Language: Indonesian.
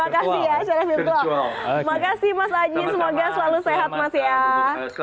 terima kasih ya